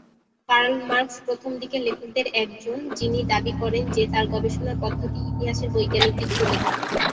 Curl Marx প্রথম দিকের লেখকদের একজন যিনি দাবি করেন যে তার গবেষণার পদ্ধতি ইতিহাসের বৈজ্ঞানিক দিক তুলে ধরে।